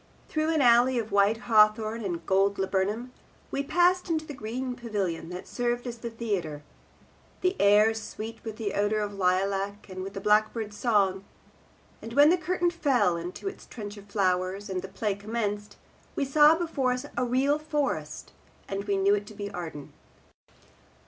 Through an alley of white hawthorn and gold laburnum we passed into the green pavilion that served as the theatre, the air sweet with odour of the lilac and with the blackbird's song; and when the curtain fell into its trench of flowers, and the play commenced, we saw before us a real forest, and we knew it to be Arden.